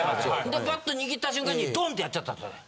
でバッと握った瞬間にドンとやっちゃったんですよね。